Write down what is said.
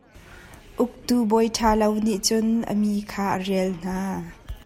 Uktu bawi ṭha lo nih cun a mi kha a rial hna.